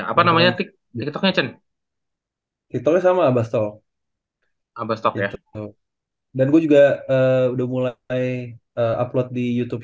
apa namanya tiketoknya cenk itu sama abastol abastok dan gue juga udah mulai upload di youtube